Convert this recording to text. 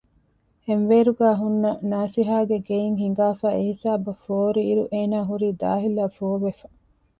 ހެންވޭރުގައި ހުންނަ ނާސިހާގެ ގެއިން ހިނގާފައި އެހިސާބަށް ފޯރިއިރު އޭނާ ހުރީ ދާހިއްލާފޯވެފަ